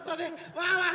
ワンワン